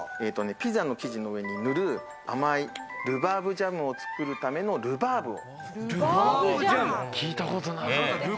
ピザの生地の上に塗る甘いルバーブジャムを作るためのルバーブを。